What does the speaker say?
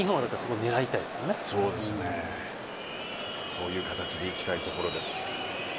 こういう形でいきたいところです。